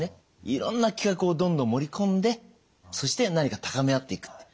いろんな企画をどんどん盛り込んでそして何か高め合っていくと。